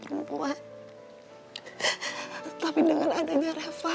selamat selamat disuruh mbah hai